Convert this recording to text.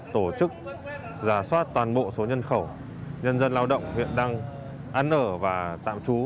tổ chức giả soát toàn bộ số nhân khẩu nhân dân lao động huyện đang án ở và tạm trú